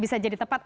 bisa jadi tepat